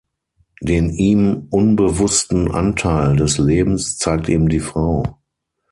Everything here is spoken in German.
Den ihm unbewussten Anteil des Lebens zeigt ihm die Frau.